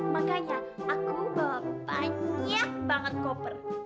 makanya aku bawa banyak banget koper